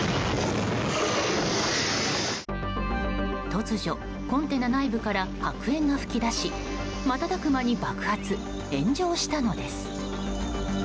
突如、コンテナ内部から白煙が噴き出し瞬く間に爆発・炎上したのです。